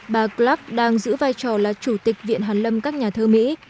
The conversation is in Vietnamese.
bà club đang giữ vai trò là chủ tịch viện hàn lâm các nhà thơ mỹ